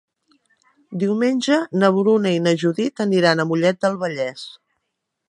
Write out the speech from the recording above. Diumenge na Bruna i na Judit aniran a Mollet del Vallès.